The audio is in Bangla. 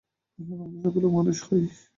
আসুন, আমরা সকলে মানুষ হই।